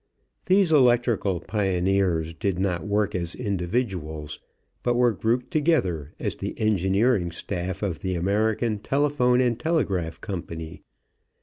These electrical pioneers did not work as individuals, but were grouped together as the engineering staff of the American Telephone and Telegraph Company.